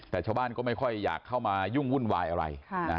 แต่ชาวบ้านก็ไม่ค่อยอยากเข้ามายุ่งวุ่นวายอะไร